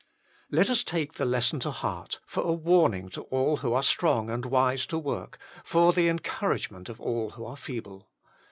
Let us take the lesson to heart, for a warning to all who are strong and wise to work, for the encouragement of all who are feeble.